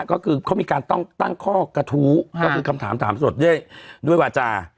ก็คือเขามีการต้องตั้งข้อกระทู้ก็คือคำถามถามสดด้วยวาจา